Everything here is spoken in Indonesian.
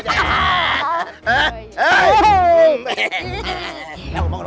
tahu mau lu